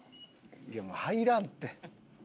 いやもう入らんって。